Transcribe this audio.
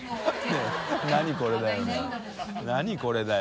何これだよ。